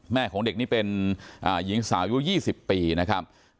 ของเด็กนี่เป็นหญิงสาวอายุ๒๐ปีนะครับ